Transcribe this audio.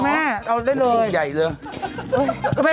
มันต้องมีอะไร